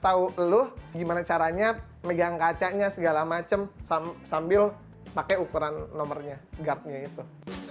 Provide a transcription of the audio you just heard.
tahu lu gimana caranya megang kacanya segala macam sambil pakai ukuran nomornya guardnya itu